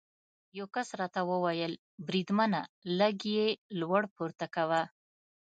یو کس راته وویل: بریدمنه، لږ یې لوړ پورته کوه.